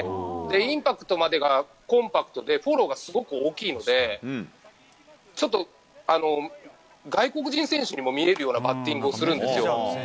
インパクトまでがコンパクトで、フォローがすごく大きいので、ちょっと外国人選手にも見えるようなバッティングをするんですよ。